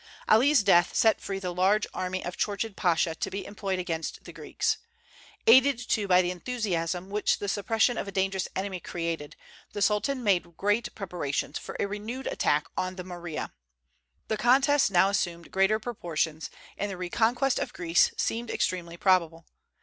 Ali's death set free the large army of Chourchid Pasha to be employed against the Greeks. Aided too by the enthusiasm which the suppression of a dangerous enemy created, the Sultan made great preparations for a renewed attack on the Morea. The contest now assumed greater proportions, and the reconquest of Greece seemed extremely probable.